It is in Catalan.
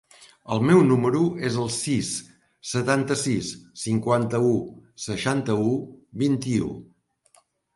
El meu número es el sis, setanta-sis, cinquanta-u, seixanta-u, vint-i-u.